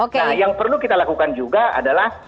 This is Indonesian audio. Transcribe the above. nah yang perlu kita lakukan juga adalah